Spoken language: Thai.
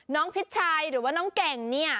พิชัยหรือว่าน้องเก่งเนี่ย